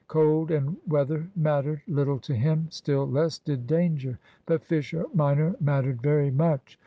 Cold and weather mattered little to him, still less did danger. But Fisher minor mattered very much.